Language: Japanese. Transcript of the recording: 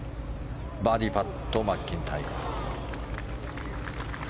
バーディーパットマッキンタイヤ。